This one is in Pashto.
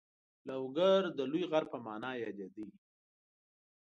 لوګر د لوی غر په نامه یادېده.